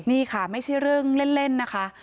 นี่ค่ะไม่ใช่เรื่องเล่นนะคะ